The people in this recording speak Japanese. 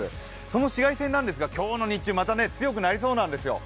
その紫外線ですが、今日の日中また強くなりそうなんですよ。